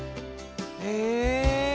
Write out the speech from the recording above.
へえ！